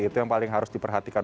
itu yang paling harus diperhatikan